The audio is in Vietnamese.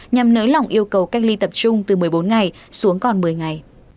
nhằm nới lỏng yêu cầu cách ly tập trung từ một mươi bốn ngày xuống còn một mươi ngày